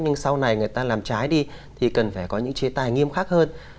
nhưng sau này người ta làm trái đi thì cần phải có những chế tài nghiêm khắc hơn